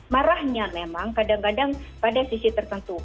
marahnya memang kadang kadang pada sisi tertentu